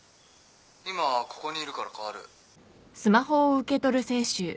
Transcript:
今ここにいるから代わる。